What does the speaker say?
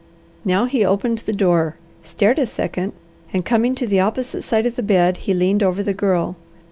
Now he opened the door, stared a second, and coming to the opposite side of the bed, he leaned over the Girl.